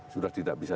sudah tidak bisa